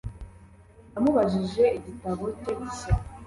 Namubajije igitabo cye gishya